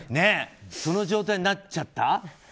その状態になっちゃった？